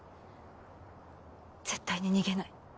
絶対に逃げない。